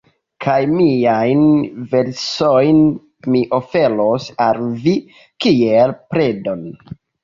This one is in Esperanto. Kaj miajn versojn mi oferos al vi kiel predon.